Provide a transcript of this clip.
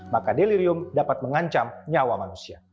maka delirium dapat mengancam nyawa manusia